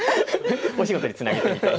お仕事につなげてみたいな。